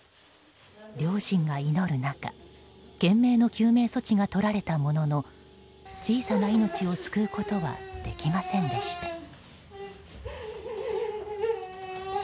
両親が祈る中懸命の救命措置が取られたものの小さな命を救うことはできませんでした。